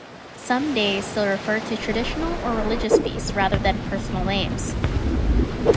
Some days still refer to traditional or religious feasts rather than personal names.